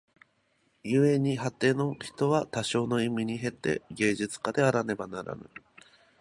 故に凡ての人は多少の意味に於て芸術家であらねばならぬ。